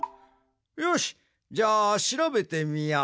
よしじゃあしらべてみよう。